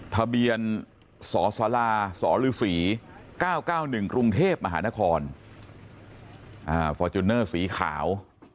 ทะเบียนสสฤ๙๙๑กรุงเทพมหานครฟอร์จูเนอร์สีขาว